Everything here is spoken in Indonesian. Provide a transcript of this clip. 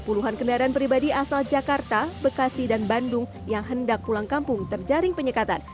puluhan kendaraan pribadi asal jakarta bekasi dan bandung yang hendak pulang kampung terjaring penyekatan